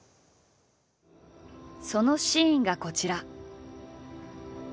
そのシーンがこちら。